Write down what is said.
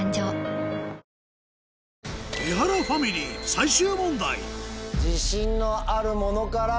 最終問題